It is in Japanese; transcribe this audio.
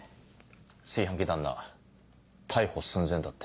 炊飯器旦那逮捕寸前だって。